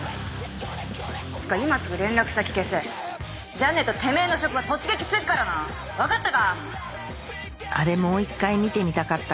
今すぐ連絡先消せじゃねえとてめぇの職場突撃するから分かったか